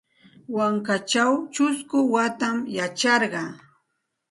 Yunkaćhaw ćhusku watam yacharqa.